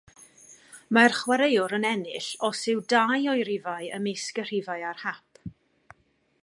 Mae'r chwaraewr yn ennill os yw dau o'i rifau ymysg y rhifau ar hap.